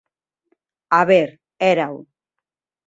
A ver, érao.